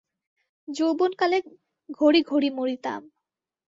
যৌবন কালে ঘড়ি ঘড়ি মরিতাম।